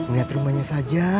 ngelihat rumahnya saja